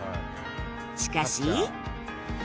しかし